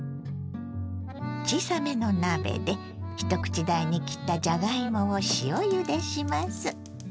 小さめの鍋で一口大に切ったじゃがいもを塩ゆでします。